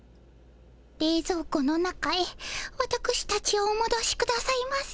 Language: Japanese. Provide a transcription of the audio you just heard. れいぞう庫の中へわたくしたちをおもどしくださいませ。